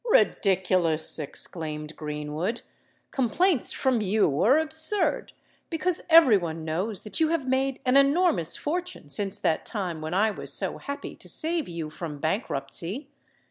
"Ridiculous!" exclaimed Greenwood. "Complaints from you are absurd—because every one knows that you have made an enormous fortune since that time when I was so happy to save you from bankruptcy."